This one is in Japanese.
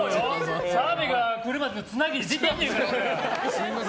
澤部が来るまでのつなぎで出てるんやから。